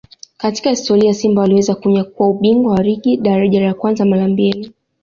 katika historia Simba waliweza kunyakua ubingwa wa ligi daraja la kwanza mara mbili